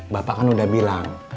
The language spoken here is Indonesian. bapak kan udah bilang